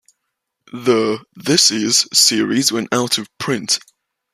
The "This is" series went out of print.